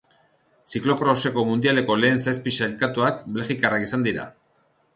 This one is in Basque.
Ziklo-kroseko mundialeko lehen zazpi sailkatuak belgikarrak izan dira.